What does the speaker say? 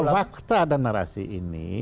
fakta dan narasi ini